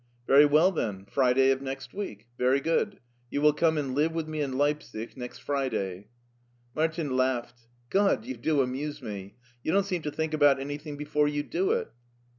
Very well, then, Friday of next week. Very good. You will come and live with me in Leipsic next Fri day.'' Martin laughed. " God ! you do amuse me ! You don't seem to think about anything before you do it."